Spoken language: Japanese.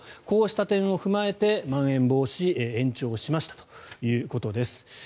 こうした点を踏まえてまん延防止延長しましたということです。